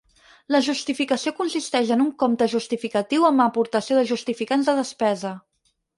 La justificació consisteix en un compte justificatiu amb aportació de justificants de despesa.